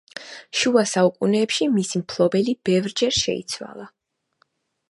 შუა საუკუნეებში მის მფლობელი ბევრჯერ შეიცვალა.